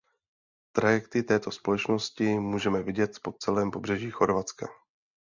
Trajekty této společnosti můžeme vidět po celém pobřeží Chorvatska.